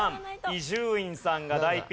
伊集院さんが大ピンチ。